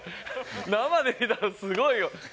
生で見たらすごいよ。